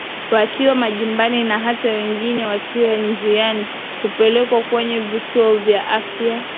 wakiwa majumbani na hata wengine wakiwa njiani kupelekwa kwenye vituo vya afya